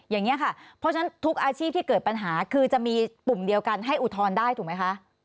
อย่างนี้ค่ะเพราะฉะนั้นทุกอาชีพที่เกิดปัญหาคือจะมีปุ่มเดียวกันให้อุทธรณ์ได้ถูกไหมคะ